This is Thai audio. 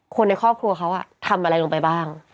คนในครอบครัวเขาทำอะไรลงไปบ้าง